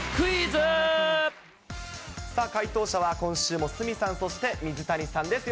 さあ、回答者は今週も鷲見さん、そして水谷さんです。